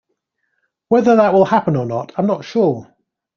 Whether that will happen or not, I'm not sure.